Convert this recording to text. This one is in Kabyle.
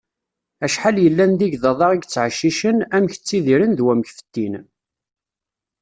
Acḥal yellan d igḍaḍ-a i yettɛeccicen, amek ttidiren d wamek fettin.